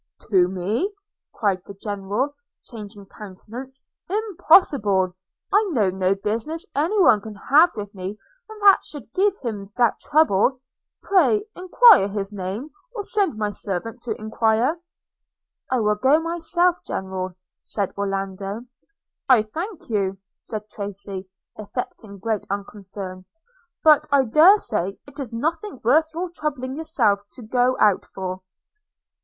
'To me!' cried the General, changing countenance: 'Impossible! I know no business any one can have with me that should give him that trouble. Pray, enquire his name, or send my servants to enquire.' 'I will go myself, General,' said Orlando. 'I thank you,' cried Tracy, affecting great unconcern, 'but I dare say it is nothing worth your troubling yourself to go out for.'